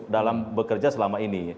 dalam bekerja selama ini